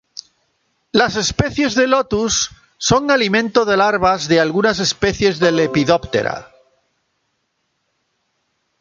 Las especies de "Lotus" son alimento de larvas de algunas especies de Lepidoptera.